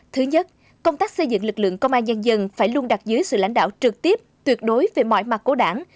thứ nhất công tác xây dựng lực lượng công an nhân dân phải luôn đặt dưới sự lãnh đạo trực tiếp tuyệt đối về mọi mặt của đảng